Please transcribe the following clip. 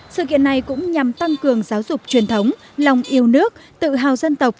sự kiện này cũng nhằm tăng cường giáo dục truyền thống lòng yêu nước tự hào dân tộc